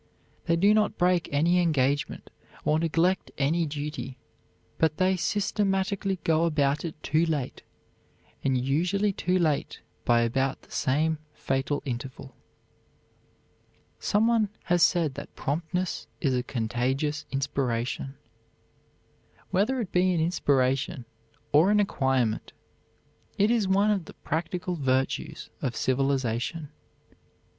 They do not break any engagement or neglect any duty; but they systematically go about it too late, and usually too late by about the same fatal interval." Some one has said that "promptness is a contagious inspiration." Whether it be an inspiration, or an acquirement, it is one of the practical virtues of civilization.